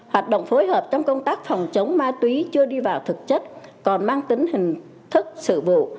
hoạt động phối hợp trong công tác phòng chống ma túy chưa đi vào thực chất còn mang tính hình thức sự vụ